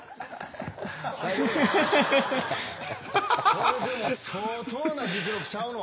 これでも相当な実力ちゃうの？